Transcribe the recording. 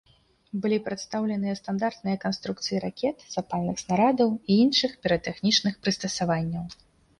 Былі прадстаўленыя стандартныя канструкцыі ракет, запальных снарадаў і іншых піратэхнічных прыстасаванняў.